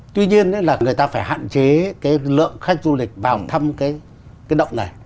tuy nhiên là người ta phải hạn chế cái lượng khách du lịch vào thăm cái động này